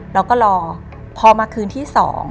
เราก็รอพอมาคืนที่๒